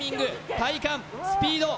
体幹スピード